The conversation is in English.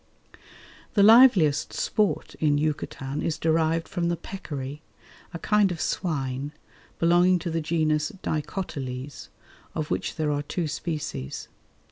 The liveliest sport in Yucatan is derived from the peccary, a kind of swine, belonging to the genus Dicotyles, of which there are two species.